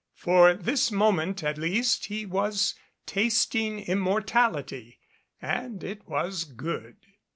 For this moment at least he was tasting immortality and it was good.